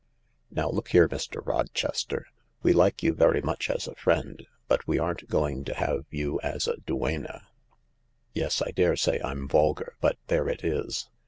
Now look here, Mr. Rochester, we like you very much as a friend, but we aren't goingto have you as a duenna. Yes, I daresay I'm vulgar, but there it is.